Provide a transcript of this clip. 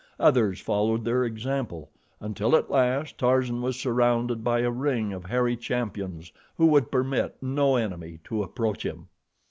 Others followed their example, until at last Tarzan was surrounded by a ring of hairy champions who would permit no enemy to approach him.